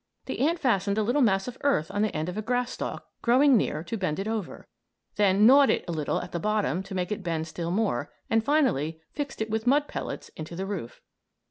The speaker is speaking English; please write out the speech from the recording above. The ant fastened a little mass of earth on the end of a grass stalk growing near to bend it over; then gnawed it a little at the bottom to make it bend still more, and finally fixed it with mud pellets into the roof.